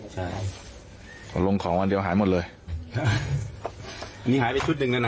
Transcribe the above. ใช่พอลงของวันเดียวหายหมดเลยหนีหายไปชุดหนึ่งแล้วนะ